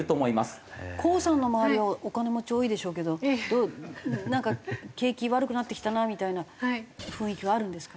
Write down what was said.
高さんの周りはお金持ち多いでしょうけど景気悪くなってきたなみたいな雰囲気はあるんですか？